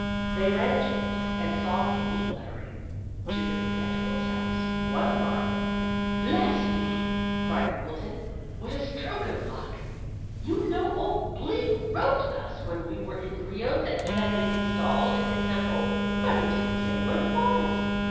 They ran to it, and saw in neat lettering: TO THE PERPETUAL SOUSE, ONE MILE "Bless me!" cried Quimbleton. "What a stroke of luck! You know old Bleak wrote us when we were in Rio that he had been installed in his temple, but he didn't say where it was.